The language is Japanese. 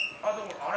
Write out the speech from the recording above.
あれ？